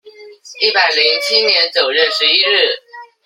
一百零七年九月十一日